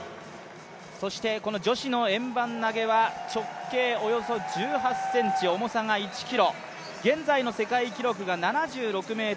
そしてこの女子の円盤投げは直径およそ１８ｃｍ重さが１ｋｇ、現在の世界記録が７６ｍ８０です。